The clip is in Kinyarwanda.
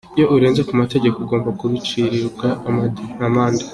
"Iyo urenze ku mategeko, ugomba kubiciribwa amande".